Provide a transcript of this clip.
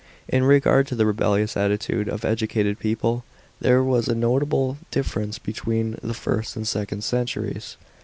§ 20. In regard to the reliuious attitude of educated people there was a notable difference between the first and second centuries.